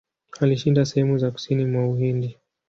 Alishinda sehemu za kusini mwa Uhindi.